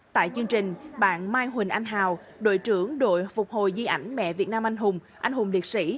tại chương trình bạn mai huỳnh anh hào đội trưởng đội phục hồi di ảnh mẹ việt nam anh hùng anh hùng liệt sĩ